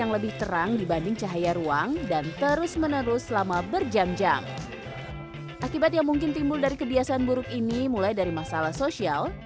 lihat di video selanjutnya